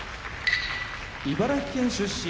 茨城県出身